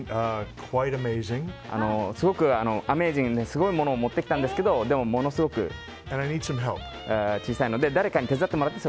すごくアメージングなすごいものを持ってきたんですけどでも、ものすごく小さいので誰かに手伝ってもらって